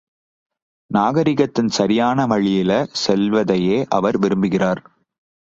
நாகரீகத்தின் சரியான வழியில செல்வதையே அவர் விரும்புகிறார்!